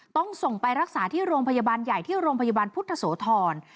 ต้องส่งไปรักษาที่โรงพยาบาลใหญ่ที่โรงพยาบาลพุทธโสธร